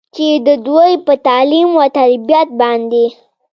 چې د دوي پۀ تعليم وتربيت باندې